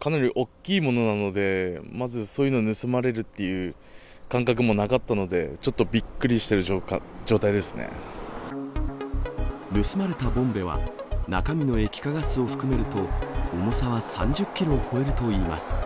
かなり大きいものなので、まずそういうの盗まれるっていう感覚もなかったので、ちょっとび盗まれたボンベは、中身の液化ガスを含めると、重さは３０キロを超えるといいます。